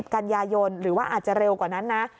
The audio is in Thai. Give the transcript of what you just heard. กันยายนหรือว่าอาจจะเร็วกว่านั้นนะ